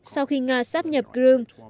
sau khi nga sáp nhập crimea